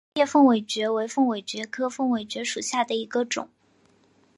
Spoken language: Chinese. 毛叶凤尾蕨为凤尾蕨科凤尾蕨属下的一个种。